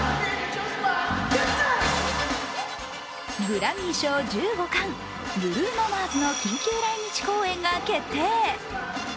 グラミー賞１５冠、ブルーノ・マーズの緊急来日公演が決定。